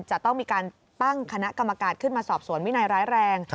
จะต้องมีการตั้งคณะกรรมการขึ้นมาสอบสวนวินัยร้ายแรง